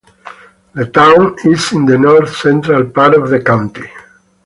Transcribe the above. The town is in the north-central part of the county.